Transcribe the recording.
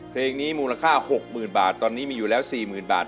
เพลงนี้มูลค่าหกหมื่นบาทตอนนี้มีอยู่แล้วสี่หมื่นบาท